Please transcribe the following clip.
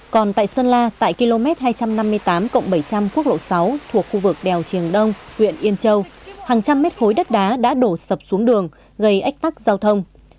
còn tại sơn la tại km hai trăm năm mươi tám bảy trăm linh quốc lộ sáu thuộc khu vực đèo triềng đông huyện yên châu hàng trăm mét khối đất đá đã đổ sập xuống đường gây ách tắc giao thông